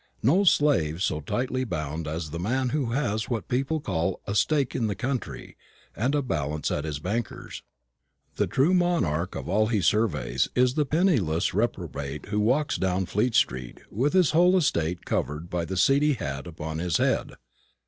No slave so tightly bound as the man who has what people call 'a stake in the country' and a balance at his banker's. The true monarch of all he surveys is the penniless reprobate who walks down Fleet street with his whole estate covered by the seedy hat upon his head."